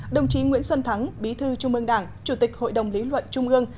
đồng chí nguyễn xuân thắng bí thư trung ương đảng chủ tịch hội đồng lý luận trung ương